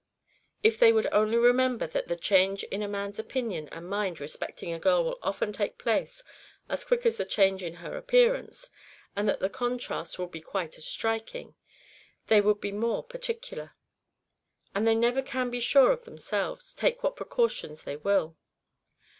If they would only remember that the change in a man's opinion and mind respecting a girl will often take place as quick as the change in her appearance, and that the contrast will be quite as striking, they would be more particular. And they never can be sure of themselves, take what precautions they will.